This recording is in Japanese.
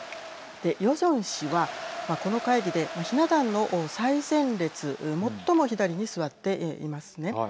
ヨジョン氏は、この会議でひな壇の最前列最も左に座っていますね。